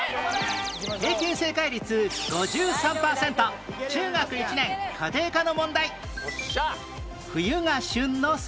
平均正解率５３パーセント中学１年家庭科の問題